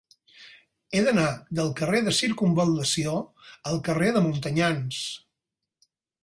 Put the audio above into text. He d'anar del carrer de Circumval·lació al carrer de Montanyans.